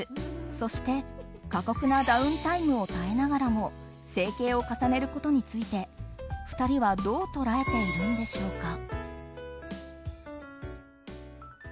そして過酷なダウンタイムを耐えながらも整形を重ねることについて２人はどう捉えているんでしょうか。